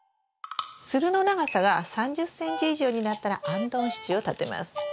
つるの長さが３０ｃｍ以上になったらあんどん支柱を立てます。